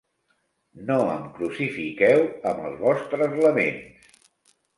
No em crucifiqueu amb els vostres laments!